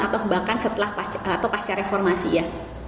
atau bahkan setelah atau pasca reformasi ya